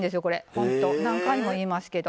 ほんと何回も言いますけど。